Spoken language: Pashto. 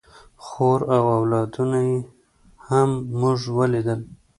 خور او اولادونه یې هم موږ ولیدل.